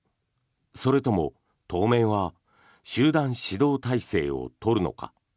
それとも当面は集団指導体制を取るのか。